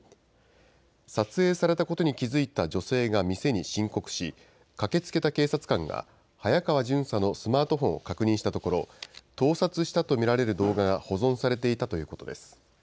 撮影されたことに気付いた女性が店に申告し、駆けつけた警察官が早川巡査のスマートフォンを確認したところ、盗撮したと見られる動画が保存されていたということです。